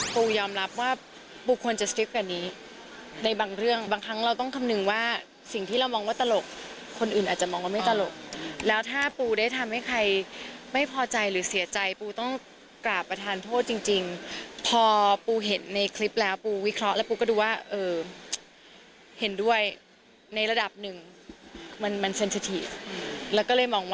ปูยอมรับว่าปูควรจะสคริปกว่านี้ในบางเรื่องบางครั้งเราต้องคำนึงว่าสิ่งที่เรามองว่าตลกคนอื่นอาจจะมองว่าไม่ตลกแล้วถ้าปูได้ทำให้ใครไม่พอใจหรือเสียใจปูต้องกราบประทานโทษจริงพอปูเห็นในคลิปแล้วปูวิเคราะห์แล้วปูก็ดูว่าเออเห็นด้วยในระดับหนึ่งมันมันเซ็นสถิแล้วก็เลยมอง